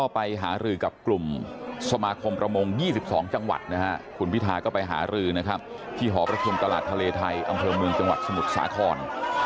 พยาบาลมคมประมง๒๒จังหวัดคุณวิท่าก็ไปหารือที่หอประธุมตลาดทะเลไทยอำเภอเมืองจังหวัดสมุทรสาคร